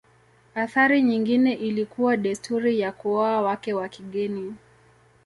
Athari nyingine ilikuwa desturi ya kuoa wake wa kigeni.